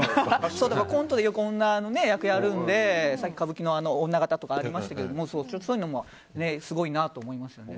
コントでよく女の役やるのでさっき歌舞伎の女形とかありましたけどそういうのもすごいなと思いますね。